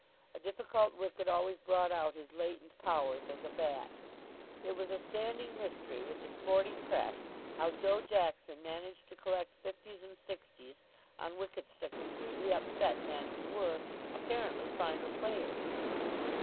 A difficult wicket always brought out his latent powers as a bat. It was a standing mystery with the sporting Press how Joe Jackson managed to collect fifties and sixties on wickets that completely upset men who were, apparently, finer players.